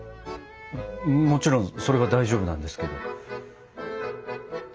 もちろんそれは大丈夫なんですけど。